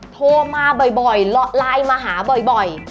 โทรมาบ่อยไลน์มาหาบ่อย